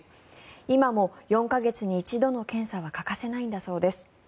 今も４か月に一度の検査は欠かせないんだそうです。